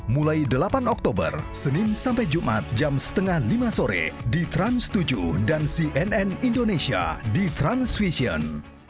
mulai delapan oktober senin sampai jumat jam setengah lima sore di trans tujuh dan cnn indonesia di transvision